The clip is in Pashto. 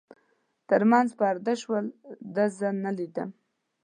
تر منځ پرده شول، ده زه نه لیدم.